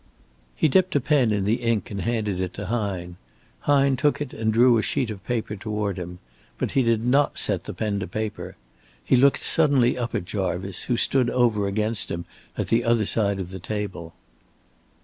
He dipped a pen in the ink and handed it to Hine. Hine took it and drew a sheet of paper toward him. But he did not set the pen to the paper. He looked suddenly up at Jarvice, who stood over against him at the other side of the table.